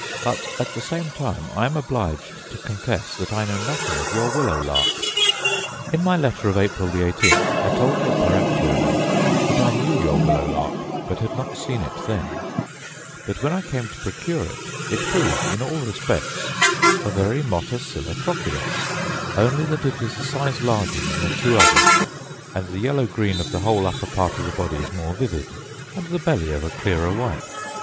But, at the same time, I am obliged to confess that I know nothing of your willow lark.* In my letter of April the 18th, I told you peremptorily that I knew your willow lark, but had not seen it then: but, when I came to procure it, it proved, in all respects, a very motacilla trochilus; only that it is a size larger than the two other, and the yellow green of the whole upper part of the body is more vivid, and the belly of a clearer white.